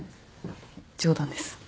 冗談です。